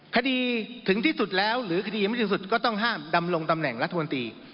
คดีถึงที่สุดแล้วหรือคดียังไม่ถึงสุดก็ต้องห้ามดำรงตำแหน่งรัฐมนตรี